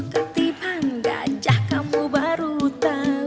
ketipan gajah kamu baru tau